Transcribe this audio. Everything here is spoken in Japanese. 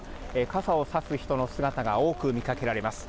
傘を差す人の姿が多く見かけられます。